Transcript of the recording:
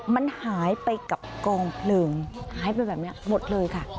มันหายไปกับกองเพลิงหายไปแบบนี้หมดเลยค่ะ